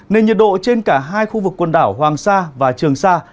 nên nhiệt độ trên cả hai khu vực quần đảo hoàng sa và trường sa